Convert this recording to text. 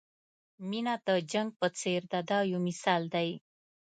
مینه د جنګ په څېر ده دا یو مثال دی.